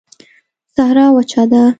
صحرا وچه ده